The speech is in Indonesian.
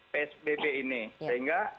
psbb ini sehingga